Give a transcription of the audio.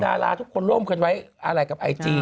ดาราทุกคนร่วมกันไว้อะไรกับไอจี